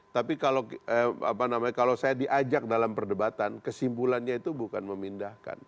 tapi kalau saya diajak dalam perdebatan kesimpulannya itu bukan memindahkan